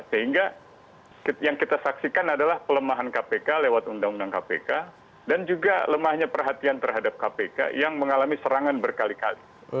sehingga yang kita saksikan adalah pelemahan kpk lewat undang undang kpk dan juga lemahnya perhatian terhadap kpk yang mengalami serangan berkali kali